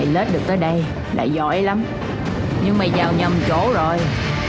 lớp được tới đây là giỏi lắm nhưng mày vào nhầm chỗ rồi